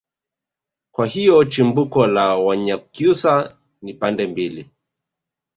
kwa hiyo chimbuko la wanyakyusa ni pande mbili